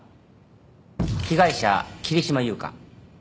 被害者桐島優香。